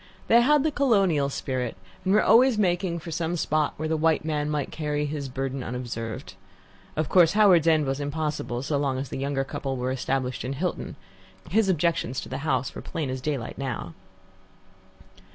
They had the colonial spirit, and were always making for some spot where the white man might carry his burden unobserved. Of course, Howards End was impossible, so long as the younger couple were established in Hilton. His objections to the house were plain as daylight now.